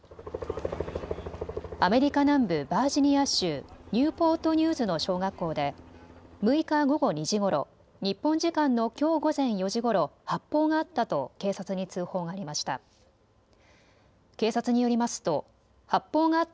アメリカ南部バージニア州ニューポートニューズの小学校で６日午後２時ごろ、日本時間のきょう午前４時ごろ、発砲があったと警察に通報がありました。